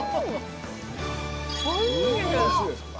おいしいですか。